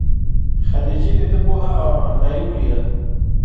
خدیجې دده پوهه او امانت داري ولیده.